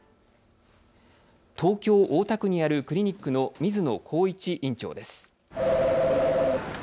東京大田区にあるクリニックの水野幸一院長です。